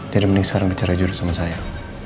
jadi mending sekarang bicara jurus sama saya